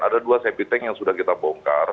ada dua septic tank yang sudah kita bongkar